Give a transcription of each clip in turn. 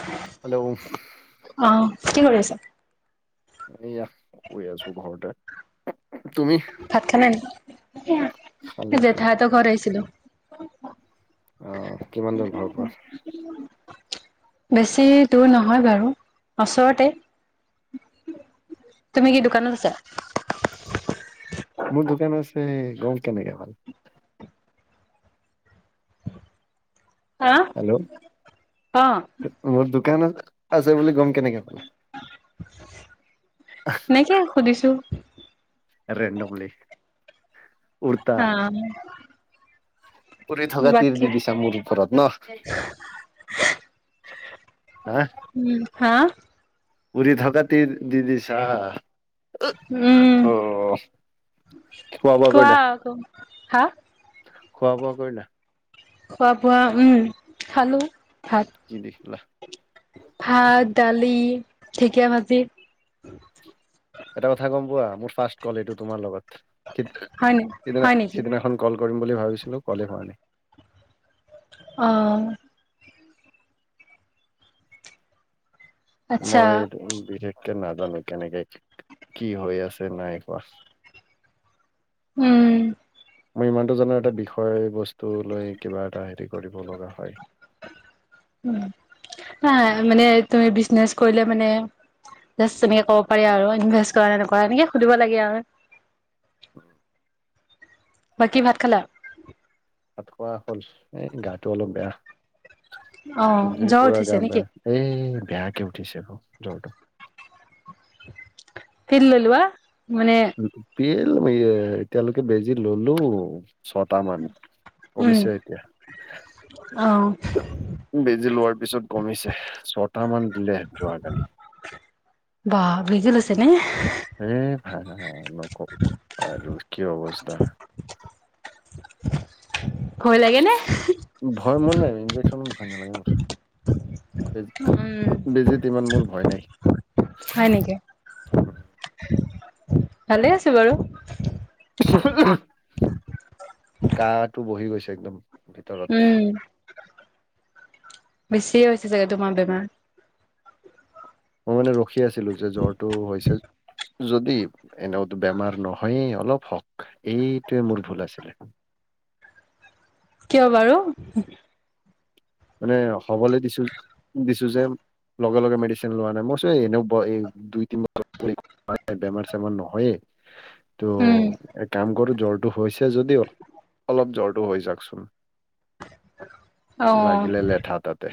[inaudible] Hello অ', কি কৰি আছা? এয়া পৰি আছো ঘৰতে তুমি ভাত খানাই নেকি খালো এ খালো জেঠাহতৰ ঘৰত আহিছিলো। অ' কিমান দূৰ ঘৰৰ পৰা? বেছি দূৰ নহয় বাৰু ওচৰতে তুমি কি দোকানত আছা? মোৰ দোকান আছে গম কেনেকে পালে? হা? অ', হেল্ল' মোৰ দোকান আছে বুলি গম কেনেকে পালা? এনেকে সুধিছো ৰেণ্ডমলি উৰ্তা হা উৰি থকা তিৰ দি দিছা মোৰ ওপৰত ন হা উম হা উৰি ধকা তিৰ দি দিছা? উম, অ খোৱা বোৱা কোৱা কৰিলা? আকৌ। হা? খোৱা বোৱা কৰিলা? খোৱা বোৱা উম খালো ভাত কি দি খালা? ভাত, দালি, ঢেকীয়া ভাজি [unintelligible] এটা কথা গম পোৱা মোৰ ৰ্ফাষ্ট কল এইটো তোমাৰ লগত হয় নে, সিদিনা হয় নেকি? সিদিনাখন কল কৰিম বুলি ভাবিছিলোঁ ক'লেই হোৱা নাই অ আচ্ছা মই এইটো বিশেষকে নাজানো কেনেকে কি হৈ আছে নাই হোৱা উম মই ইমানটো জানো এটা বিষয় বস্তু লৈ কিবা এটা হেৰি কৰিব লগা হয় উ মানে তুমি বিজনেচ কৰিলে মানে জাষ্ট তেনেকে ক'ব পাৰি আৰু ইনভেষ্ট কৰা নকৰা এনেকে সুধিব লাগে আৰু উম বাকী ভাত খালা ভাত খোৱা হ'ল এ গাটো অলপ বেয়া অ দুদিন ধৰি জ্বৰ পুৰা উঠিছে গা নেকি বেয়া এই বেয়া কে উঠিছে অ জ্বৰটো পিল লৈ লোৱা মানে পিল এই অ এতিয়ালৈকে বেজি ললো ছটা মান উম কমিছে এতিয়া অ বেজি লোৱাৰ পিছত কমিছে ছটা মান দিলে যোৱাকালি বাহ বেজি লৈছা নে এ ভা নকবা আৰু কি অৱস্থা ভয় লাগে নে ভয় মানে ইঞ্জেকচন ভয় নালাগে মোৰ উম বেজিত ইমান মোৰ ভয় নাই হয় নেকি ভালে আছে বাৰু কাঁহটো বহি গৈছে একদম ভিতৰত উম বেছিয়ে হৈছে চাগে তোমাৰ বেমাৰ মই মানে ৰখি আছিলো যে জ্বৰটো হৈছে যদি এনেওতো বেমাৰ নহয়েই অলপ হওক এইটোৱে মোৰ ভুল আছিলে কিয় বাৰু মানে হবলৈ দিছো দিছো যে লগে লগে মেডিচিন লোৱা নাই মই চ এনেও দুই তিন ব বেমাৰ চেমাৰ নহয়ে ত উম এক কাম কৰো জ্বৰটো হৈছে যদিও অলপ জ্বৰটো হৈ চাওকচোন অ লাগিলে লেঠা তাতে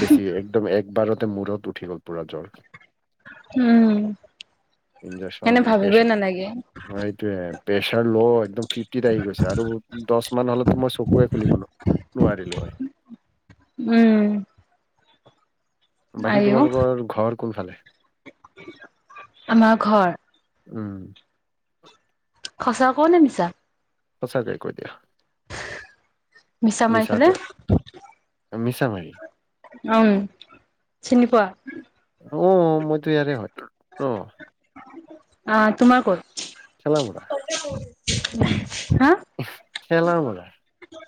বেছিয়ে একদম একবাৰতে মূৰত উঠি গ'ল পুৰা জ্বৰ উম এনে ভাবিবই নালাগে সেইটোৱে প্ৰেচাৰ ল' একদম ফিফটিত আহি গৈছে, আৰু দহ মান হলেতো মই চকুয়ে খুলিব নো নোৱাৰিলোঁ হয় উম বাকী আইও তোমালোকৰ ঘৰ কোনফালে আমাৰ ঘৰ উম সঁচা কওনে মিছা সঁচাকে কৈ দিয়া মিছা মাৰি পেলাই মিছা মাৰি ওম', চিনি পোৱা অ', মইতো ইয়াৰে হয়তো অ'। আ', তোমাৰ ক'ত? ঠেলামৰা। [unintelligible] ঠেলামৰা।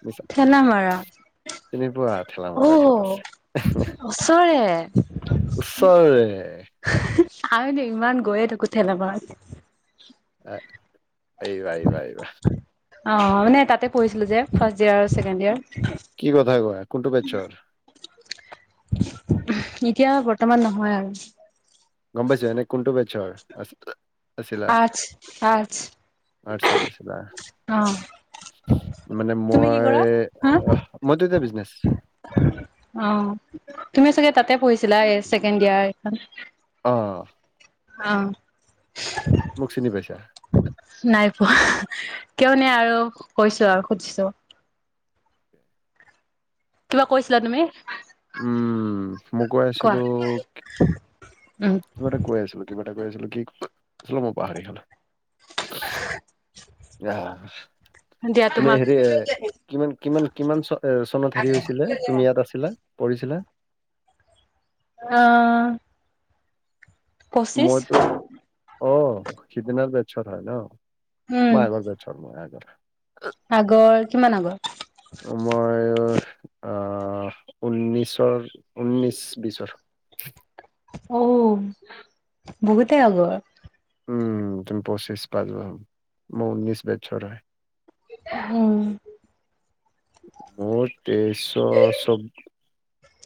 মিছা ঠেলামৰা? চিনি পোৱা ঠেলামৰা ক'ত অ', আছে ওচৰৰে। ওচৰৰে। আমিতো ইমান গৈয়ে থাকো ঠেলামৰত। আ', আহিবা, আহিবা, আহিবা। অ', মানে তাতে পঢ়িছিলো যে ফাৰ্ষ্ট ইয়েৰ আৰু ছেকেণ্ড ইয়েৰ। কি কথা কয়? কোনটো বেটচৰ? এতিয়া বৰ্তমান নহয় আৰু। গ'ম পাইছো, এনে কোনটো বেটছৰ হয়? আ আছিলা? আৰ্টছ আৰ্টছ আৰ্টচৰ আছিলা। অ মানে তুমি কি মই কৰা হা অ', মইতো এটিয়া বিজনেচ অ', তুমি চাগে তাতে পঢ়িছিলা চছেকেণ্ড ইয়াৰখন? অ'। অ'। মোক চিনি পাইছা? নাই পোৱা, কিয়নে আৰু কৈছো আৰু সুধিছো। কিবা কৈছিলা তুমি? উম', মই কৈ কোৱা আছিলো উম কিবা এটা কৈ আছিলো, কিবা এটা কৈ আছিলোঁ, কি কৈ আছিলো মই পাহৰি থাকিলো। আহ'। দিয়া তুমি তোমাক হেৰি এ কিমান কিমান কিমান কিমান চ চনত হেৰি হৈছিলে, তুমি ইয়াত আছিলা? পঢ়িছিলা? অ'। মইতো অ', সিদিনাৰ বেটচৰ হয় ন? উম মই আগৰ বেটচৰ, মই আগৰ। আগৰ কিমান আগৰ? মই আহ', উনৈছৰ উন্নিছ বিশৰ। অঔ', বহুতে আগৰ। উম তুমি পঁচিছ মই উনৈশ বেটচৰ হয়। উম। মোৰ তেইশ চব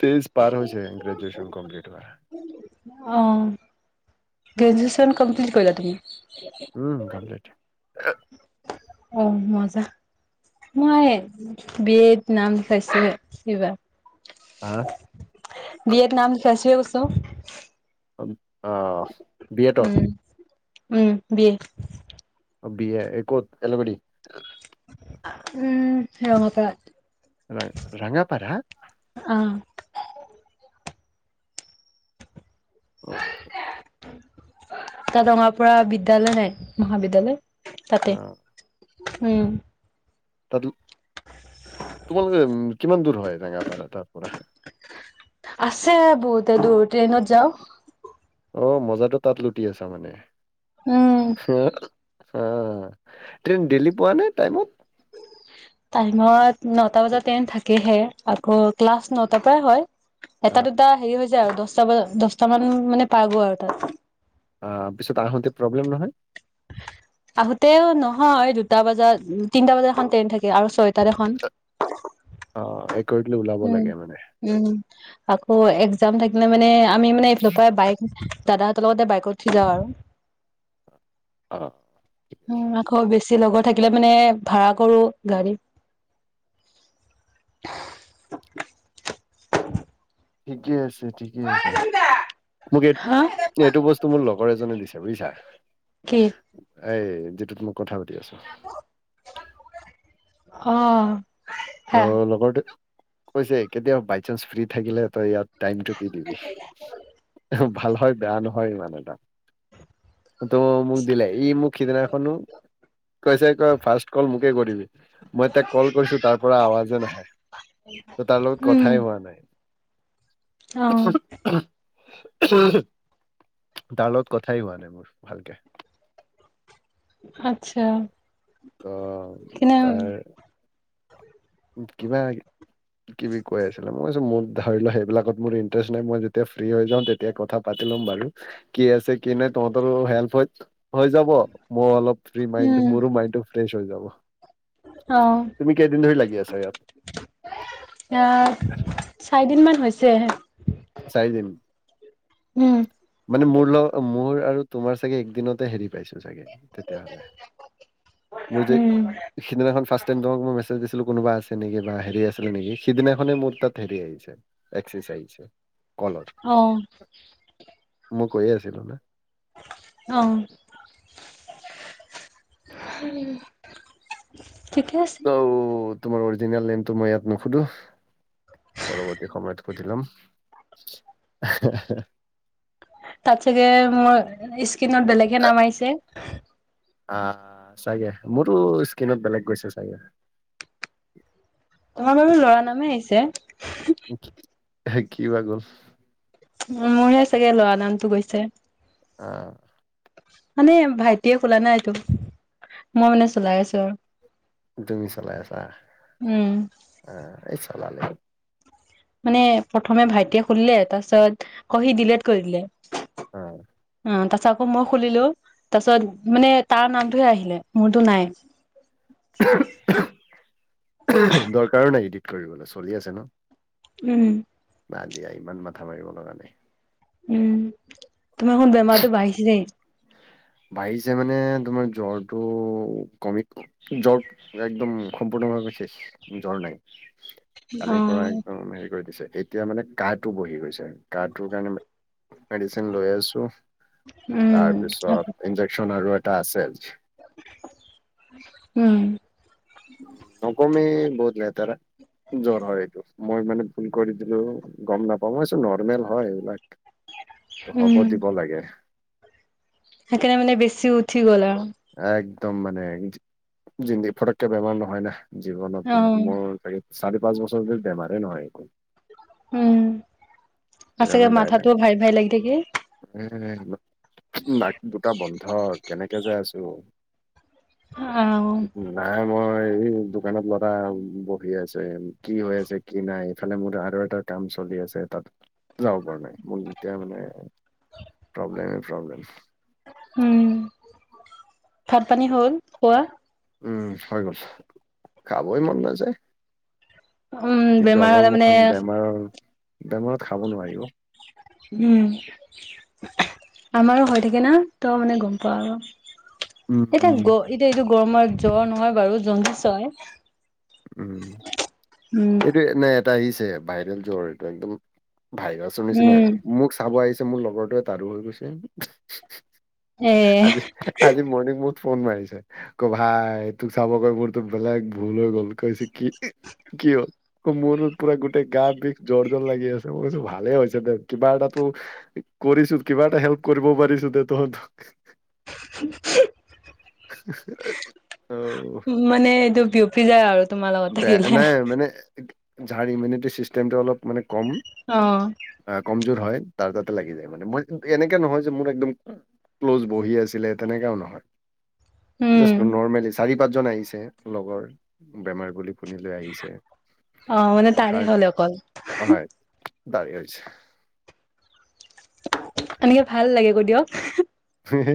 তেইশ পাৰ হৈছে গ্ৰেজুৱেশ্যন কম্প্লিট হোৱা। অঁ। গ্ৰেজুৱেশ্যন কম্প্লিট কৰিলা তুমি? উম কমপ্লিট। অ', মজা। মই বি এত নাম লিখাইছোহে এইবাৰ। হা'। বি এট নাম লিখাইছোহে কৈছো। অ'। বি এডত উম, উম বি এ। বি এ ক'ত? [unintelligible] উম। [unintelligible] ৰা-ৰঙাপাৰা অহ'। অকে। তাত ৰঙাপাৰা বিদ্যালৈ নাই মহাবিদ্যালয় অ তাতে। উম। তাতো। তোমালোকে উ কিমান দূৰ হয় ৰঙাপৰা তাৰ পৰা? আছে বহুতে দূৰ ট্ৰেইনত যাও। অ মাজতো তাত লুটি আছা মানে উম হ'। আ ট্ৰেইন দেইলি পোৱা নে টাইমত? টাইমত নটা বজাত টন থাকেহে আকৌ ক্লাছ নটাৰ পৰাই হয়। অ এটা দুটা হেৰি হৈ যায় আৰু দহটা বজাত দহটা মান মানে পাই গৈ আৰু তাত। অ পিছত আহঁতে প্ৰব্লেম নহয়? আহোতেও নহয় দুটা বজাত, তিনিটা এখন থাকে আৰু ছয়টা এখন। অ এক [unintelligible] ওলাব উম লাগে মানে। উম আকৌ একজাম থাকিলে মানে আমি মানে এইফালৰ পৰা বাইক দাদাহঁতৰ লগতে বাইক উঠি যাওঁ আৰু। অ'। ঠিক উ আছে। আকৌ বেছি লগৰ থাকিলে মানে ভাৰা কৰো গাড়ী। ঠিকে আছে ঠিকে আছে। মোক এইটো, হা এইটো বস্তু মোৰ লগৰ এজনে দিছে বুজিছা? কি এ যিটোত মই কথা পাতি আছো? অ'। ত' হা লগৰতে কৈছে কেতিয়া বাই চানস ফ্ৰী থাকিলে তই ইয়াত টাইমটো দি দিবি, ভাল হয় বেয়া নহয় ইমান এটা তো মুখ দিলে ই মুক সেইদিনাখনো কৈছে কয় ফাৰ্ষ্ট কল মোকে কৰিবি, মই তাক কল কৰিছো তাৰ পৰা আৱাজে নাহে, ত তাৰ লগত উম কথাই হোৱা নাই। অ [inaudible] [unintelligible] তাৰ লগত কথাই হোৱা নাই মোৰ ভালকে। আতছা। অহ'। [inaudible] কিবা কিবি কৈ আছিলে, মই কৈছো, মোৰ ধৰি লোৱা সেইবিলাকত মোৰ ইণ্টাৰেষ্ট নাই মই যেতিয়া ফ্ৰী হৈ যাওঁ তে তেতিয়া কথা পাতি লম বাৰু, কি আছে কি নাই তহঁতৰো হেল্প হয় হৈ যাব, মই অলপ ফ্ৰি মাইণ্ড উম মোৰো মাইণ্ডটো ফ্ৰেশ হৈ যাব। অ। তুমি কেইদিন ধৰি লাগি আছা ইয়াত আহ চাৰিদিন মান হৈছেহে। চাৰিদিন? মানে মোৰ লগ মোৰ আৰু তোমাৰ চাগে একদিনতে হেৰি পাইছো চাগে তেতিয়াহ'লে মোৰ যে উম সিদিনাখন ফাৰ্ষ্ট টাইম তোমাক মই মেছেজ দিছিলো কোনবা আছে নেকি বা হেৰি আছিলে নেকি, সিদিনাখনে মোৰ তাত হেৰি আহিছে। একচেজ আহিছে। কলৰ। অ'। মই কৈয়ে আছিলো ন'? অ'। ঠিকে আছে। অ', তোমাৰ অৰিজিনেল নেমটো মই ইয়াত নোসুধো। পৰৱৰ্তী সময়ত সুধি ল'ম। তাত চাগে মোৰ স্ক্ৰিনত বেলেগহে নাম আহিছে? আহ, চাগে মোৰটো স্ক্ৰিনত বেলেগ গৈছে চাগে? তোমাৰ ত' বাৰু কি ল'ৰা নামেই আহিছে। কি বা গ'ল? মোৰহে চাগে ল'ৰা নামটো গৈছে। অ'। মানে ভাইটিয়ে খোলা না এইটো মই মানে চলাই আছো আৰু। তুমি চলাই আছা উম আহ, এই চলালে মানে প্ৰথমে ভাইটিয়ে খুলিলে তাৰ পিছত আকৌ সি দিলেট কৰি দিলে। অ'। অ', তাৰ পাছত আকৌ মই খুলিলো তাৰপিছত তাৰ নামটোহে আহিলে মোৰতো নাই। দৰকাৰো নাই এডিট কৰিবলৈ চলি আছে ন'! উম। বাদ দিয়া ইমান মাথা মৰিব লগা নাই। উম, তোমাৰ [unintelligible] বেমাৰটো বাঢ়িছেই। বাঢ়িছে মানে তোমাৰ জ্বৰটো কমিব জ্বৰ একদম সম্পূৰ্ণভাৱে শেষ জ্বৰ নাই। কালিৰ পৰা উম, একদম হেৰি কৰি দিছে, এ এতিয়া মানে কাঁহটো বহি গৈছে, কাঁহটোৰ কাৰণে মেডিচিন লৈ আছোঁ। উম, তাৰপিছত ইঞ্জেকচন আৰু এটা আছে। উম। নকমে বহুত লেতেৰা জ্বৰ হয় এইটো। মই মানে ভুল কৰি দিলো গ'ম নাপাওঁ মই ভাবিছো নৰ্মেল হয় এইবিলাক। ত' হ'ব দিব লাগে। সেইকাৰনে মানে বেছি উঠি গ'ল আৰু। একদম মানে জি ফটককে বেমাৰ নহয় না জীৱনত অ', মোৰ চাগে চাৰি পাঁচ বছৰ ধৰি বেমাৰেই নহয় একো। উম, আৰু সেইকাৰণে ছাগে ডাইৰেক্ট মাথাটো ভাৰি ভাৰি লাগি থাকে? [unintelligible] নাক দুটা বন্ধ কেনেকে যে আছোঁ। অ', [inaudible] নাই মই এই দোকানত ল'ৰা বহি আছে কি হৈ আছে কি নাই এইফালে মোৰ আৰু এটা কাম চলি আছে, তাত যাব পৰা নাই, মোৰ এতিয়া মানে প্ৰব্লেমেই প্ৰব্লেম। উম, ভাত-পানী হ'ল খোৱা? উম, হৈ গ'ল। খাবই মন নাযায়। উম, এই বেমাৰ জ্বৰৰ হ'লে মানে মুখন বেমাৰৰ, বেমাৰত খাব নোৱাৰি অ'। উম। আমাৰো হৈ থাকে না, ত' মানে গ'ম পাও। উম এতিয়া গ, এতিয়া এইটো গৰমত জ্বৰ নহয় বাৰু, জণ্ডিচ হয়। উম উম, এইটো এনে এটা আহিছে ভাইৰেল জ্বৰ। এইটো একদম ভাইৰাছ ভাইৰাচৰ নিচিনা উম। মোক চাব আহিছে মোৰ লগৰটোৱে তাৰো হৈ গৈছে। [unintelligible] এ আজি মৰ্ণিং মোক ফোন মাৰিছে ক ভাই তোক চাব গৈ মোৰতো বেলেগ ভুল হৈ গ'ল। কৈছো কি, কিয় আকৌ মোৰো পুৰা গোটেই গা বিষ, জ্বৰ, জ্বৰ লাগি আছে। ভালেই হৈছে দে, কিবা এটাতো কৰিছোঁ, কিবা এটা হেল্প কৰিব পাৰিছো দে তহঁতক। [unintelligible] [unintelligible] উম মানে, এইটো বিয়পি যায় আৰু তোমাৰ লগত বেয়া থাকিলে হে নাই হে মানে যাৰ ইমিউনিটি চিষ্টেমটো অলপ মানে, কম অ', আহ, কমজোৰ হয় তাৰ তাতে লাগি যায় মানে, মই এনেকে নহয় যে মোৰ একদম ক্ল'জ বহি আছিলে, তেনেকাও নহয়। জাষ্ট উম। নৰ্মেলি, চাৰি, পাঁচজন আহিছে লগৰ, বেমাৰ বুলি। শুনি লৈ আহিছে অ' মানে, তাৰে আহাৰ হ'ল‌ অকল। হয়, তাৰেই হৈছে। এনেকে ভাল লাগে, কৈ দিয়ক। হে হে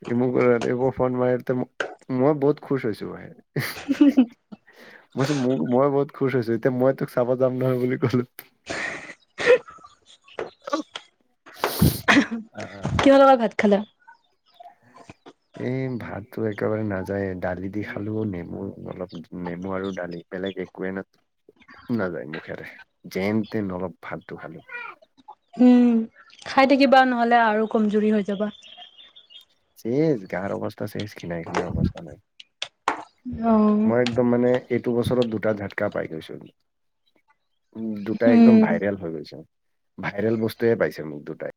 সি মোক ৰাতিপুৱা ফোন মাৰোতে মোক মই বহুত খুচ হৈছো ভাই কৈছোঁ ম মই বহুত খুচ হৈছোঁ, এতিয়া মই তোক চাব যাম নহয়, বুলি কলো। [unintelligible] [unintelligible] আহ, কিহৰ লগত ভাত খালা এই ভাতটো একেবাৰে নাযায়। দালি দি খালো, নেমু অলপ, নেমু আৰু দালি। বেলেগ একোৱে না নাযায় মুখেৰে, যেন-তেন অলপ ভাতটো খালো। উম, খাই থাকিবা, নহ'লে আৰু কমজুৰি হৈ যাবা। শেষ গাঁৰ অৱস্থা চেচ নাই খিনাই-মিনাই অৱস্থা নাই। মই অ' একদম মানে, এইটো বছৰত দুটা ঝাতকা পাই গৈছো। দুটাই একদম উম ভাইৰেল হৈ গৈছে, ভাইৰেল বস্তুয়ে পাইছে মোক দুটাই।